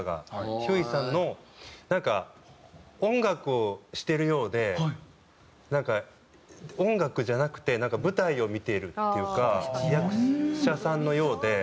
ひゅーいさんのなんか音楽をしてるようでなんか音楽じゃなくて舞台を見ているっていうか役者さんのようで。